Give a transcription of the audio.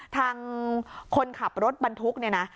ทางคนขับรถบรรทุกเนี่ยนะ